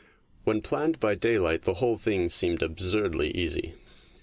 When planned by daylight the whole thing seemed absurdly easy.